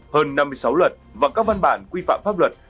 hơn năm mươi sáu luật và các văn bản quy phạm pháp luật